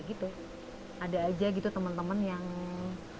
tapi rasanya georgia kan itu seperti orang yang kecil